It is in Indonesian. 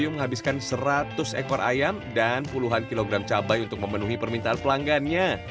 menghabiskan seratus ekor ayam dan puluhan kilogram cabai untuk memenuhi permintaan pelanggannya